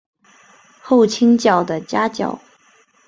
后倾角的夹角。